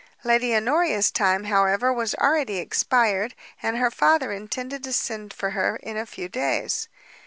Lady Honoria's time, however, was already expired, and her father intended to send for her in a few days.